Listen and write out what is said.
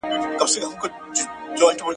که وخت وي، کتابتون ته ځم!؟